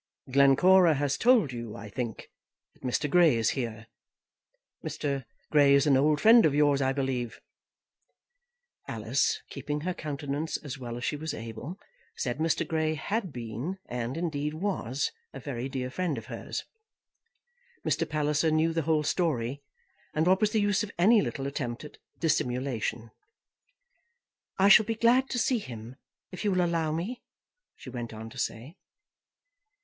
"Glencora has told you, I think, that Mr. Grey is here? Mr. Grey is an old friend of yours, I believe?" Alice, keeping her countenance as well as she was able, said Mr. Grey had been, and, indeed, was, a very dear friend of hers. Mr. Palliser knew the whole story, and what was the use of any little attempt at dissimulation? "I shall be glad to see him, if you will allow me?" she went on to say.